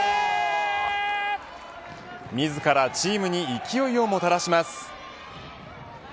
自らチームに勢いをもたらします。